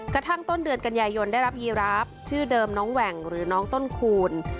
กระทั่งต้นเดือนกันยายนได้รับยีราฟชื่อเดิมน้องแหว่งหรือน้องต้นคูณ